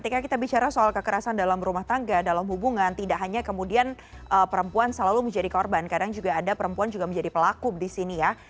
ketika kita bicara soal kekerasan dalam rumah tangga dalam hubungan tidak hanya kemudian perempuan selalu menjadi korban kadang juga ada perempuan juga menjadi pelaku di sini ya